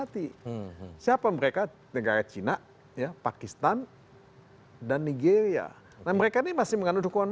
terima kasih pak